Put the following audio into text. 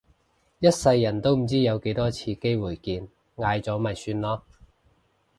一世人都唔知有幾多次機會見嗌咗咪算囉